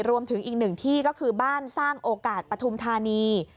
รวมถึงอีกหนึ่งที่ก็คือบ้านสร้างโอกาสปฐุมธานี